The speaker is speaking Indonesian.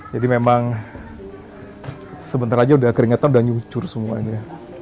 jadi memang sebentar saja sudah keringetan sudah nyucur semuanya